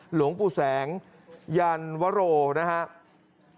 หลวงปู่แสงยันวโรนะครับ